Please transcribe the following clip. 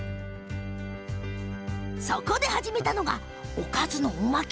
そこで始めたのがおかずのおまけ。